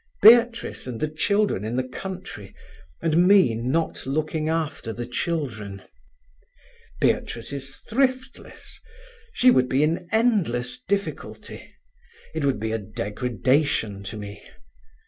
Beatrice and the children in the country, and me not looking after the children. Beatrice is thriftless. She would be in endless difficulty. It would be a degradation to me.